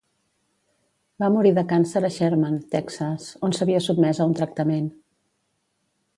Va morir de càncer a Sherman, Texas, on s'havia sotmès a un tractament.